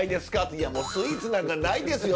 「いやもうスイーツなんかないですよ